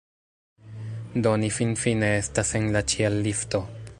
Do ni finfine estas en la ĉiel-lifto